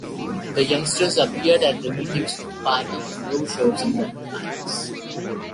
The youngsters appeared at meetings of the party in blue shirts and red ties.